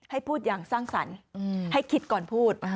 ให้พูดอย่างสร้างสรรค์ให้คิดก่อนพูด